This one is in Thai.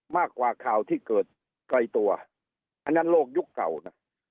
มากกว่าข่าวที่เกิดไกลตัวอันนั้นโลกยุคเก่านะ